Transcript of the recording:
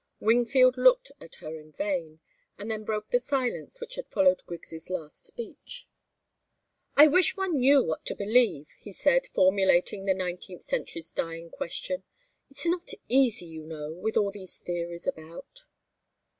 Wingfield looked at her in vain, and then broke the silence which had followed Griggs' last speech. "I wish one knew what to believe," he said, formulating the nineteenth century's dying question. "It's not easy, you know, with all these theories about."